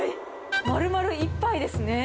丸々１杯ですね。